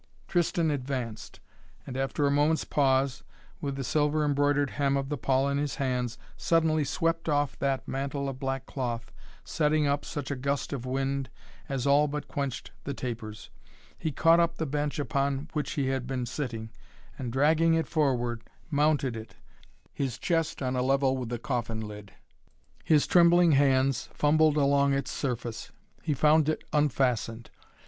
Tristan advanced, and, after a moment's pause, with the silver embroidered hem of the pall in his hands, suddenly swept off that mantle of black cloth, setting up such a gust of wind as all but quenched the tapers. He caught up the bench upon which he had been sitting and, dragging it forward, mounted it and stood, his chest on a level with the coffin lid. His trembling hands fumbled along its surface. He found it unfastened.